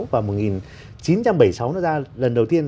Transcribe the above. và một nghìn chín trăm bảy mươi sáu nó ra lần đầu tiên